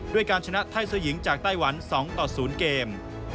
ด้วยการชนะไทยสวยหญิงจากไต้หวัน๒๐เกม